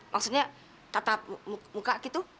maksudnya tatap muka gitu